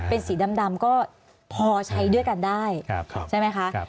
เป็นสีดำก็พอใช้ด้วยกันได้ใช่ไหมคะ